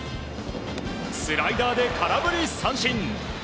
スライダーで空振り三振。